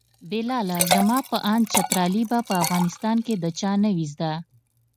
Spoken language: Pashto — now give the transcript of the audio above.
بلاله زما په اند چترالي به په افغانستان کې د چا نه وي زده.